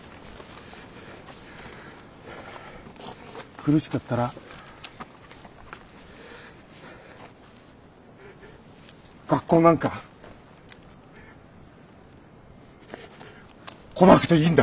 苦しかったら学校なんか来なくていいんだ。